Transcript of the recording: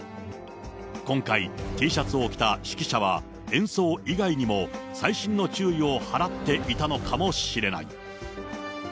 今回、Ｔシャツを着た指揮者は、演奏以外にも細心の注意を払っていたのかもしれない。